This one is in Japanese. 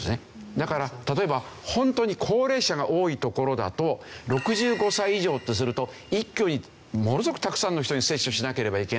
だから例えば本当に高齢者が多い所だと６５歳以上ってすると一挙にものすごくたくさんの人に接種しなければいけない。